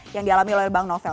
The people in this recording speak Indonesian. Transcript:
yang dialami oleh bang novel